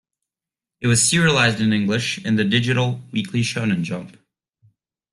It was serialized in English in the digital "Weekly Shonen Jump".